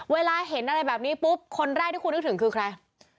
เวลาเห็นอะไรแบบนี้ปุ๊บคนแรกที่คุณนึกถึงคือใคร